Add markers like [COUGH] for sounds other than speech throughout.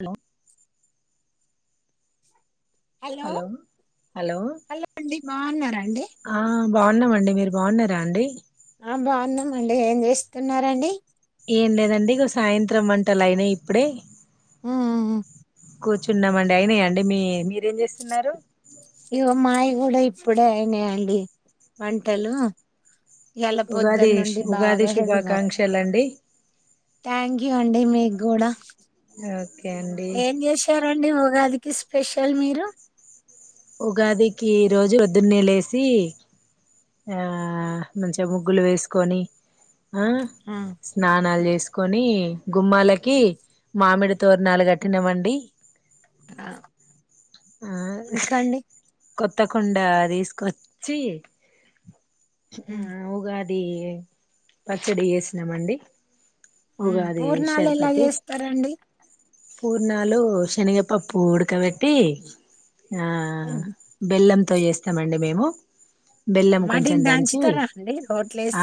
Hello hello hello hello అండి బాగున్నారాండి? ఆ బాగున్నామండి. మీరు బాగున్నారా అండి. ఆ బాగున్నాంమండి. ఏం చేస్తున్నారండి? ఏం లేదండి సాయంత్రం వంటలు అయినాయి ఇప్పుడే. ఉ ఉ ఉ కూర్చున్నామండి. అయినా అండి మీ మీరేం చేస్తున్నారు? ఇగో మాయ కూడా ఇప్పుడే అయినాయండి వంటలు. ఇయాల ఉగాది పొద్దున్న నుండి ఉగాది బాగా హెవీ వర్క్ శుభాకాంక్షలండి. థ్యాంక్ యూ అండి. మీకు కూడా ఓకే అండి అండి ఉగాదికి స్పెషల్ మీరు ఉగాదికి ఈరోజు పొద్దున్నే లేసి ఆ మంచిగా ముగ్గులు వేసుకొని ఆ స్నానాలు చేసుకు కొని గుమ్మాలకి మామిడి తోరణాలు కట్టినామండి. ఆ ఇంకా అండి కొత్తకుండా తీసుకొచ్చి ఆ ఉమ్, ఉగా అ అది పచ్చడి వేసినామండి. ఉ పూర్ణాలు ఎలా చేస్తారండి? పూర్ణాలు శనగపప్పు ఉడకబెట్టి, అ [UNINTELLIGIBLE] ఆ ఉమ్. బెల్లం చేస్తామండి మేము. బెల్లం వాటిని కొంచెం దంచి దంచుతారా అండి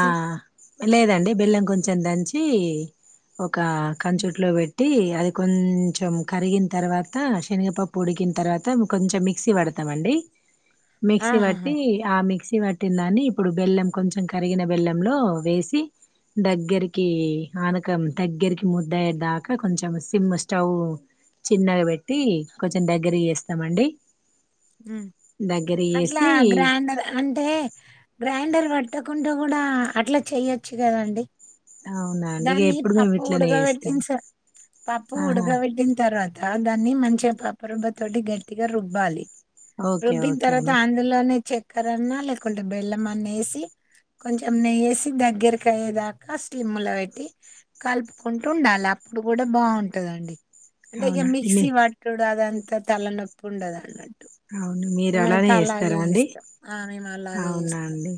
ఆ లేదండి బెల్లం కొంచెం దంచి ఓకే ఒక కంచుట్లో పెట్టి పెట్టి అది కొంచెం కరిగిన తర్వాత, శనగపప్పు ఉడికించి తర్వాత కొంచెం మిక్సీ పడతామండి. మిక్సీ ఆహాహా వాటి ఆ మిక్ పట్టిన దానిని ఎప్పుడూ బెల్లం కుంచం కరిగిన బెల్లం లో వేసి దగ్గరికి పానకం దగ్గరికి మూఢ అయ్యే దాకా కుంచం సిమ్ స్టవ్ చిన్నగా పెట్టి కుంచం దెగ్గర దగ్గర చేస్తామండి దగ్గర అట్లా చేసి గ్రైండర్ అంటే గ్రైండర్ పట్ పుట్టకుంటడా కూడా అట్లా చెయొచ్చు కదండి అవునా అండి ఇక దాన్ని ఎప్పుడు మేము పప్పు ఇట్లనే చేస్తాం ఉడగబెట్టిన పప్పు ఆహా ఉడగబెట్టిన తర్వాత దాన్ని మంచిగా పాప రుబ్బ తోటి గట్టిగా రుబ్బాలి ఓకే రూబ్బిన్ ఓకే తర్వాత అండి ఆందోళన చక్కర అన్నా లేకుంటే బెల్లమా అన్ని వేసి కొంచెం నెయ్యేసి దగ్గరకా అయ్యేదాకా స్లిమ్లో పెట్టి కలుపుకుంటూ ఉండాలి అప్పుడు కూడా బాగుంటది అండి అంటగ అవునా అండి. మీ మిక్సీ పట్టుడు ఆది అంతా తలనొప్ప ఉండద అవును మీరు అలానే మేమైతే అలాగే చేస్తారా అండి ఇస్తాం ఆ మేము అలాగే అవునా ఇస్తాం అండి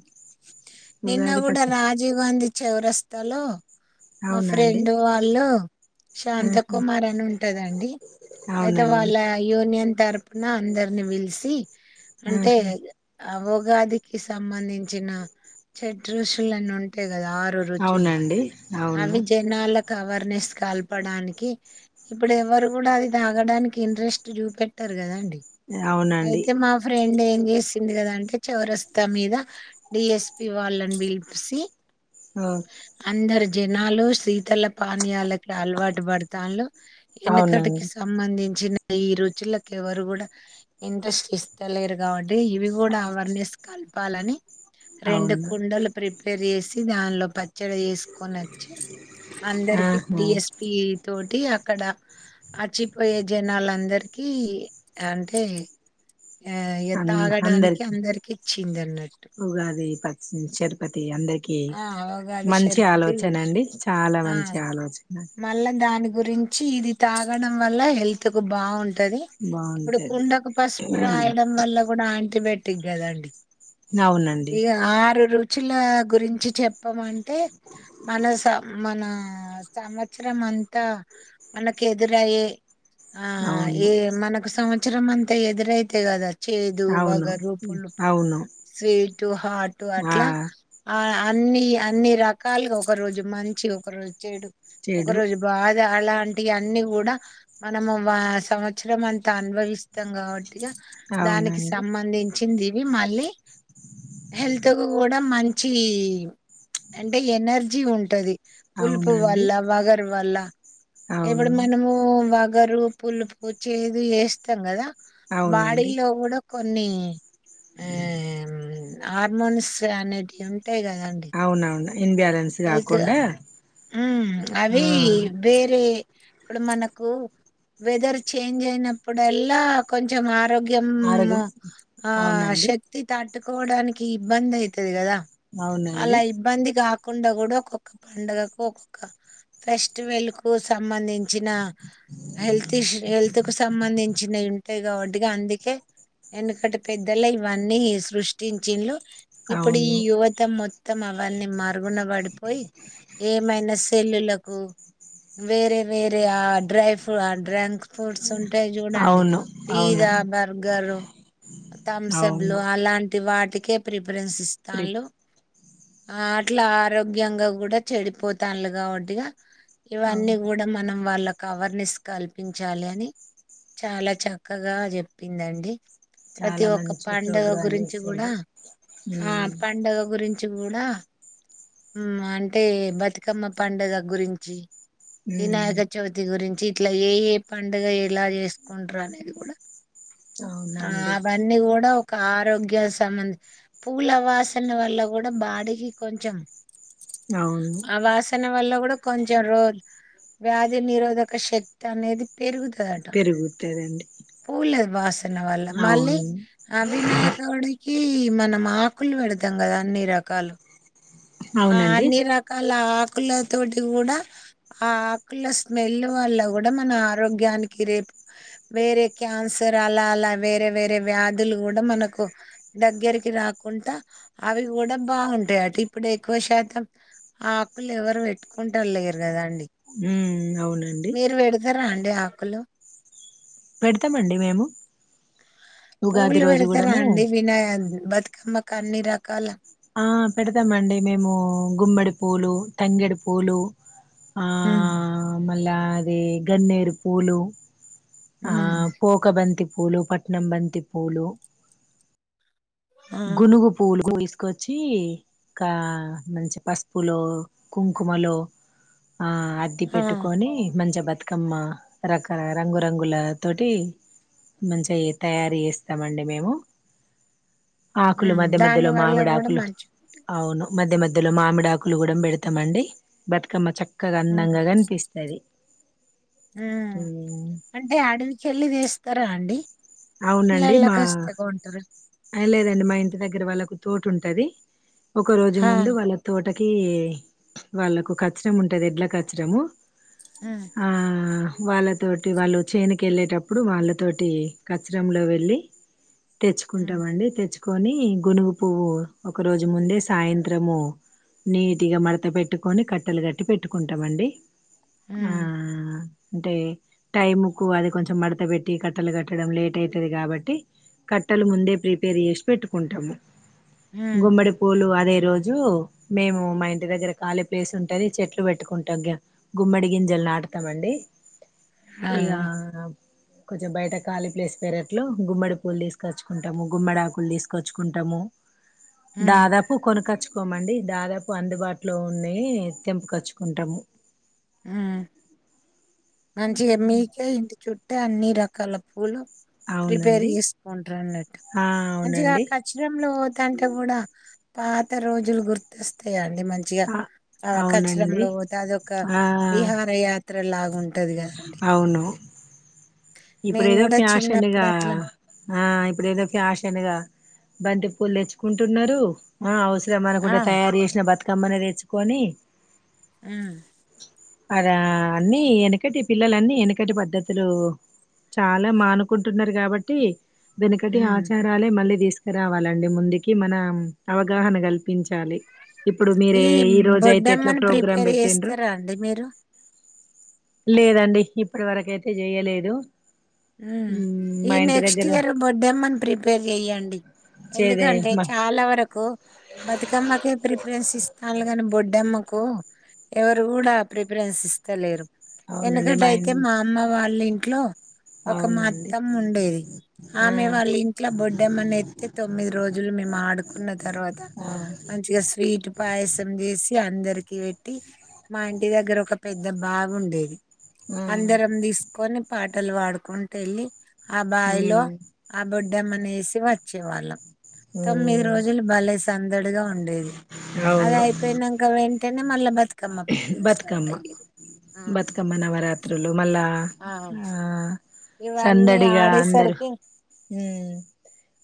నిన్న ఉగాది కూడా పచ్చడి రాజీవ్ గాంధీ చోరస్తలో మా అవునా అండి ఫ్రెండ్ వాళ్ళు శాంత ఆహా కుమార్ అని ఉంటదండి అయితే అవునండి వాళ్ళ యూనియన్ తరపున అందరిని పీలిస్త తి అంటే ఆహా ఆవ ఉగాదికి సంబంధించిన షట్రుచులు అని ఉంటేయి ఆరు రుచలు అవునండి ఆ అవును విజయ నా అలగ అవేర్నెస్ కల్పడానికి ఇప్పుడు ఎవరు కూడా అది తాగడానికి ఇంట్రెస్ట్ చూపెట్టారు కదండి అవునండి అయితే మా ఫ్రెండ్ ఏం చేసింది కదా అంటే చౌరస్తా మీద డిఎస్పి వాళ్ళని పిలిసి ఓ అందరి జనాలు శీతల పానీయాలకి అలవాటు పడతలు వెనకటికి అవునండి సంబంధించిన ఈ రూచులకి ఎవరు కూడా ఇంట్రెస్ట్ ఇస్తలేరు కాబట్టి ఇవి కూడా అవర్నెస్ కాల్ పాలని రెండు అవును కుండలు ప్రి ప్యరిస్ దానిలో పచ్చడి వేసు చ్చి అందరికి ఆహా డిఎస్పి తోటి అక్కడ అచిపోయే జనాలుందరిక అంటే ఆ ఇగ అ తాగడానికి అందరికి ఇచ్చింది అన్నట్టు ఉగాది ప తిరుపతి అందరికి ఆ అవగాది మంచి షర్బతి ఆలోచన అండి చాలా ఆ మంచి ఆలోచన మళ్ళా దాని గురించి ఇది తాగడం వల్ల హెల్త్ కు బాగుంటుంది ది ఇప్పుడు బాగుంటది కుండకు పసుపు రాయడం వల్ల కూడా ఆటోమేటిక్ కదా అండి అవునండి ఇగా ఆర్ రు చుల్ల గురించి చెప్పమంటే మల్లా స మన సంవత్సరం అంతా మల్లాక్ ఎదురయే ఆ అవును ఏ మనక్ సంవ్ చ్ఛరం అంత ఎదురైతే కదా చేదు అవును వగరు పులుపు అవును స్వీటు హాటు ఆ అట్లా ఆ అన్ని అన్ని రక్ కళ్ళీగా ఒక రోజు మంచిగ్ ఒక రోజు చేడు ఒక చెడు రోజు బాధ అలా వంటిగా అన్ని కూడా మనము వా సంవత్సరం అంతా అనుభవిస్తాం కాబట్ ట్టిగా దానికి అవునండి సంబందిం చ్చిందివి మళ్ళీ హెల్త్ గూడా మంచి అంటే ఎనర్జీ ఉంటది పులుపు అవునండి వల్ల వగరు వల్ల ఇప్పుడు అవును మనము వాగ్ వగరు పులుపు చేదు ఏస్తాం గదా అవునండి బాడీలో గూడా కొన్ని ఆ హార్మోన్స్ అనేటివ్ ఉం ఉంటాయ్ గద అండి అవునవును ఇన్బ్యాలెన్స్ హెల్త్ కాకుండా మ్ అవి ఆ వేరె ఇప్పుడు మనకు వెదర్ చేంజ్ అయినప్పుడల్లా కొంచెం ఆరోగ్య గ్యము ఆరోగ్యం ఆ అవునండి శక్తీ తట్ తట్టుకోవడానికి ఇబ్బంది అయితది గదా అవునండి ఇబ్బంది కాకుండా కూడా ఒక్కొక్క పండగకు ఒక్కొక్క ఫెస్టివల్ కు సంబంధించిన హెల్త్ హెల్త్ కు సంబంధించినవి ఉంటాయి కాబట్టిగ అందుకే ఎనుకటి పెద్దలు ఇవన్నీ సృష్టించిళ్ళు ఇప్పుడు ఈ అవును యువత మొత్ త్తమల్ వన్ని మరుగున పడిపోయి ఏమైనా సెల్లులకు వేరే వేరే ఆ డ్రై ఫు ఆ డ్రంక్ ఫుడ్స్ ఉంటాయి చూడండి అవును అవును పీజ్జా బర్గరు థంసబ్లు అవును అలాంటి వాట్ టికే ప్రిప్ ప్రిఫరెన్స్ ప్రిప్ ఇస్తాల్ను ఆ అట్లా ఆరోగ్యంగా గూడా చెడిపోతాల్లు కాబట్టి ఇగా ఇవన్నీ అవును కూడా మనం వాళ్ళ కవర్నెస్ కల్పించాలని చాలా చక్కగా చెప్పిందండి ప్రతి చాలా ఒక్క మంచి పండగ ప్రోగ్రాం గురించి గూడా చేసిండ్రు ఉ ఆ పండగ గురిం చూడ మ్ అంటే బతుకమ్మ పండుగ గురించి ఉమ్ వినాయక చవితి గురిం ఇట్లా ఏ ఏ పండగ ఎలా చేసుకుంటరు అనేది గూడ అవునా ఆ అండి అవన్నీ గూడా ఓ కా ఆరోగ్య సంబంద్ పూల వాసన వల్ల కూడా బాడీకి కొంచెం అవును ఆ వాసన వల్ల కూడ కొంచెం రో వ్యాధి నిరోధక శక్తి అనేది పెరుగుతుదట పెరుగుతదండి పూల వాస్ తున్న వల్ళ మళ్ళీ అవును ఆ వినాయకుడి కి మనం ఆకులు పెడతాం కదా అన్ని రకాలు ఆ అవునండి అన్నిరకాల ఆక్ కుల తోటి కూడా ఆ ఆకుల స్మెల్ వల్ల కూడా మన ఆరోగ్యానికి రేపు వేరే క్యాన్సర్ అలా అలా వేరే వేరే వ్యాధులు కూడా మనకు దగ్గరికి రాకుండా అవి కూడా బాగుంటాయి అటి ఇప్పుడు ఎక్కువ శాతం ఆ ఆకులు ఎవరు పెట్టుకుంటా లేరు కదా అండి మ్మ్ అవునండి డి ఆకులు పెడతామండి మేము ఉగాది పూలు రోజు పెడతార కూడాము అండి వినాయ బతుకమ్మ కన్ని రకాల ఆ పెడతామండి మేము గుమ్మడి పూలు తంగేడి పూలు ఆ ఉమ్ మా అలా అదిే గన్నేరు పూలు ఆ ఉమ్ పోోక బంతి పూలు పట్నం బంతి పూలు ఆ గునుగుపులు కో కోచ్చి కా మంచి పసుపు లో కుంకుమ లో ఆ అది ఆ పెట్టుకొని మంచి బత్ కమ్మ రక రంగు రంగుల తోటి మంచి ఇగా తయారు చేస్తాం అండీ మేము ఆకులు ఉమ్ మధ్య దాని మధ్యలో వల్ల మామిడి కూడా ఆకులు మంచి అవును మధ్య మధ్యలో మామిడి ఆకులు కూడా పెడతమండి బతుకమ్మ చక్క క్కగా అందంగా కనిపిస్తది ఉం అంటే అడవి కెళ్ళి తెస్తారా అండి ఇళ్లలకాస్తే కొంట్ర అ లేదండి మా ఇంటి దగ్గర వాళ్ళకు తోటుంటది ఒక రోజు ఆ ముందు వాళ్ళ తోట కి వాళ్ళలకు కచ్చరం ఉంటది ఎడ్ల కచ్చరము ఉమ్ ఆ వాళ్ళతోటి వాళ్ళు చేనుకి వెళ్ళేటప్పుడు వాళ్ళతోటి కచరం లో వెళ్ళి కుంట ఉమ్ మండి తెచ్చు కొని గునుగు పువ్వు ఒక రోజు ముందే సాయంత్రము నీటిగా మడత పెట్టుకొని కట్టెలు కట్టి పెట్టుకుంటామండి ఆ ఉమ్ అంటే టైముకు అది కొంచెం మడత పెట్టి కట్టలు కట్టడం లేట్ అవుతది కాబట్టి కట్ ట్టలు ముందే ప్రిపేర్ చేసి పెట్టుకుంటాము ఉమ్ గుమ్మడిపూలు అది అదే రోజు మేము మా ఇంటి దగ్గర కాలీ ప్లేస్ ఉంటేని చెట్లు పెట్టుకుంటాం గుమ్మడి గింజలు నాటుతమండి ఆ ఇగా కొంచెం బయట కాళీ ప్లేస్ పెరట్లో గుమ్మడి పూలు తీసుకు తీసుకొచ్చుకుంటాము గుమ్మడాకులు తీసుకొచ్చుకుంటాము ఉమ్ దాదాపు కొన కచ్చుకు కోమండి దాదాపు అందుబాటులో ఉన్నాయే తెంపకచ్చుకుంటాము ఆ మంచిగా మీకే ఇంటి చుట్ట అంటే అన్ని రకాల పూలు ప్రిపేర్ అవునండి చేసుకుంటారు అన్నట్టు ఆ మంచిగా అవునండి కచ్చరం లో పోతంటే కూడా పాత రోజులు గుర్తస్తాయా మంచిగా ఆ ఆ కచరం అవునండి లో పోతే అదొక ఆ విహార యాత్ర లాగా ట్టది కాస్ అండి ఇప్పుడేదో చిన్నప్పుడు ఫ్యాషన్గా అట్లా ఆ ఇప్పుడేదో ఫ్యాషన్గా బంతిపూ లు తెచ్చుకుంటున్నారు అ ఇమనకు ఆ కూడా తయారు చేసిన బతుక్ కమ్మని తెచ్చుకొని అ అద అన్నిీ వెనకటి పిల్లలన్నిీ వెనకటి పద్ధతులు చాలా మానుకుంటున్నారు కాబట్టి వెనుకటి ఉమ్ ఆచారాలే మళ్ళీ తీసుక్ రావాలండి ముందుకి మన అవగాహన కల్పించాలి ఇప్పుడు మీరే ఈ రోజ అయితే ఎట్లా బొడ్డమ్మని ప్రోగ్రాం ప్రిపేర్ పెట్టిండ్రు చేస్తారా అండి మీరు లేదండి ఇప్పటి వరకయితే చేయలేదు మ్మ్ ఈ మా ఇంటి నెక్స్ట్ దగ్గర ఇయర్ బొడ్డెమ్మని ప్రిపేర్ చెయ్యండి చేదే ఎందుకంటే మా చాలా వరకు బతుకమ్మకే ప్రిఫరెన్స్ ఇస్తాను కానీ బొడ్ దడెమ్మకు ఎవరు కూడా ప్రిఫరెన్స్ ఇస్తలేరు అవునండి ఎందుకంటే ఇం అయితే మా అమ్మ వాళ్ళు ఇంట్ ట్లో ఒక అవునండి మత్తమ్మ ఉండేది ఆ ఆమె వాళ్ళ ఇంట్లో బొడ్డమ్మని ఎత్తే తొమ్మిది రోజులు మేము ఆడుకున్న తర్వాత ఆ మంచిగా స్వీట్ పాయసం చేసి అందరు దకి పెట్టి మా ఇంటి దగ్గర ఒక పెద్ద బావి ఉండేది ఆ అందరం తీసుకొని బట్టలు వాడుకుంటే వెళ్ళి ఆ బాయి లో ఉమ్ ఆ బొడ్ దమనేసి వచ్చేవాళ్ళం తొమ్మిది ఉమ్ రోజులు భలే సందడిగా ఉండేది అది అవును అయిపోయినాక వెంట్ వెంటనే మల్ళ బతుక్ బతుకమ్మా పాటలు స్టార్ బతుకమ్మ అయ్యేయి బతుకమ్మ నవరాత్రులు మళ్ళా అవును ఆ సందడిగా అందరు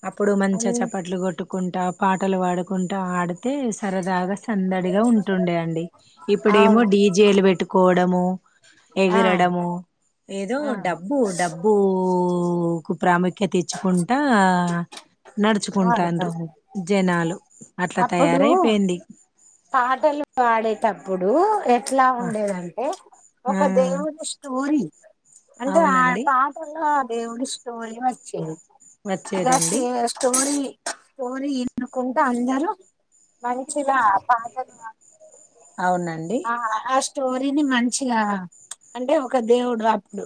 అప్పుడు మంచి చప్పట్లు కొట్టుక్ కుంటా పాటలు పాడుక్ కుంట ఆడితే సరదాగా సందడిగా అ ఉంటుండే అండి ఇప్పుడేమో అవును డీజేలు పెట్టుకు కొడము ఆ ఎగరడము ఏదో ఆ డబ్బు డబ్బు కు ప్రాముఖ్యత ఇచ్చుకుంటా నడుచుకుంటాండరు వాడతాము జనాలు అట్లా అప్పుడు తయారైపోయింది పాటలు పాడేతప్పుడు ఎట్లా ఆ ఉండేదింటే ఆ ఒక దేవుడి స్టోరీ అంటే ఆ అవునండి పాటలో దేవుడి స్టోరి అని వచ్చేరు గా వచ్చేదండి సో స్టోరీ కోరి వినుకుంటా అందరు మంచిగా బాగోదు మా అవునండి స్టోరీని మంచిగా అంటే ఒక దేవుడు రా అప్పుడు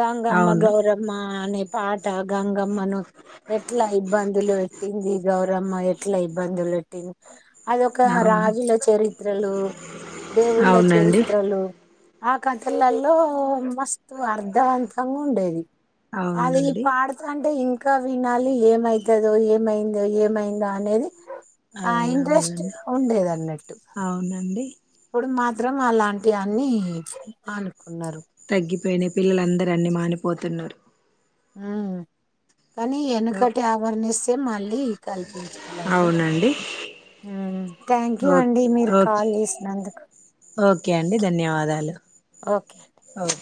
గంగమ్మ అవును గౌరమ్మ అనే పాట గంగమ్మను ఎట్లా ఇబ్బందులు పెట్టింది గౌరమ్మ ఎట్లా ఇబ్బందులు పెట్టింది అదొక అవును రాజుల చరిత్రలు దేవుళ్ల అవునండి చరిత్రలు ఆ కథలల్లో మస్తు అర్ధవంతంగా ఉండేది వాళ్ళు ఈ అవునండి పాడుతంటే ఇ ఇంకా వినాలి ఏమయితదో ఏమైందో ఏమైందో అనేది ఆ ఇంట్రెస్ట్ అవునవునండి ఉండేది అన్నట్టు అవునండి అప్పుడు మాత్రం అలాంటి అన్ని అన్ కొన్నారు పెని పిల్లలందరు అన్నీ మానిపోతున్నారు హమ్ కానీ ఎనుకటి అవేర్నెస్ ఆయితే మళ్ళీ కల్పించాలండి అవునండి థ్యాంక్ యూ ఓ అండి మీరు ఓకే కాల్ చేసినందుకు ఓకే అండి ధన్యవాదాలు ఓకే అండి ఓకే